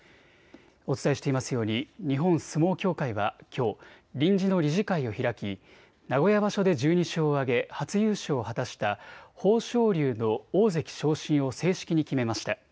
お伝えしていますように日本相撲協会はきょう臨時の理事会を開き名古屋場所で１２勝を挙げ初優勝を果たした豊昇龍の大関昇進を正式に決めました。